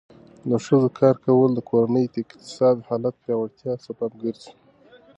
د ښځو کار کول د کورنۍ د اقتصادي حالت د پیاوړتیا سبب ګرځي.